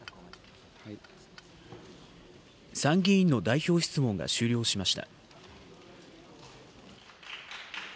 参議院の代表質問が終了しました。